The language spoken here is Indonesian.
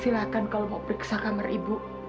silahkan kalau mau periksa kamar ibu